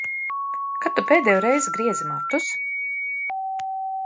Kad Tu pēdējo reizi griezi matus?